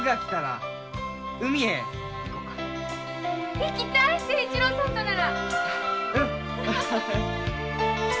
行きたい清一郎さんとなら。